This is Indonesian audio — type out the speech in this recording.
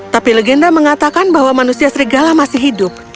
tapi legenda mengatakan bahwa manusia serigala masih hidup